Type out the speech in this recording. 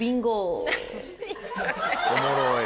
おもろい。